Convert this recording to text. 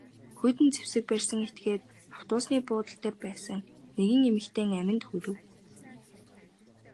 Хүйтэн зэвсэг барьсан этгээд автобусны буудал дээр байсан нэгэн эмэгтэйн аминд хүрэв.